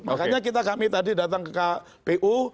makanya kami tadi datang ke kpu